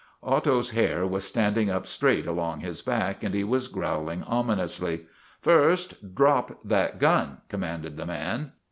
Otto's hair was stand ing up straight along his back and he was growling ominously. " First, drop that gun," commanded the man.